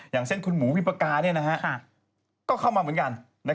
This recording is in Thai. อย่างเช่นคุณหมูวิปกาก็เข้ามาเหมือนกัน